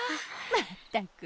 まったく！